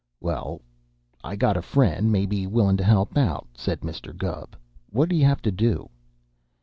"Well, I got a friend may be willing to help out," said Mr. Gubb. "What'd he have to do?"